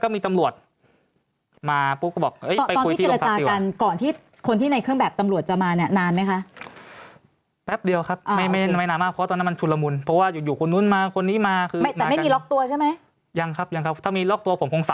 ก็มีตำรวจมามีตัวผมคงใส่แล้วพอมีอำนาจมาใส่ตัวผมคง